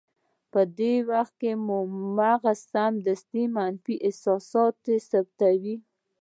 په دې وخت کې مو مغز سمدستي منفي احساسات ثبتوي.